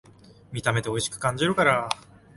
見た目でおいしく感じるから